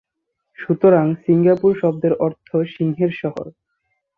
সুতরাং সিঙ্গাপুর শব্দের অর্থ সিংহের শহর।